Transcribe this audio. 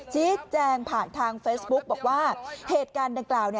ชี้แจงผ่านทางเฟซบุ๊กบอกว่าเหตุการณ์ดังกล่าว